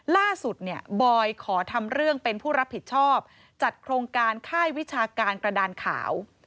ล่าสุดเนี่ยบอยขอทำเรื่องเป็นผู้รับผิดชอบจัดโครงการค่ายวิชาการกระดานขาว